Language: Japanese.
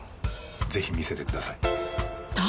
ぜひ見せてください。